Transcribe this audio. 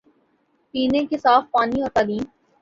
پینے کے صاف پانی اور تعلیم